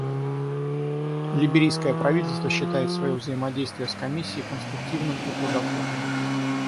Либерийское правительство считает свое взаимодействие с Комиссией конструктивным и плодотворным.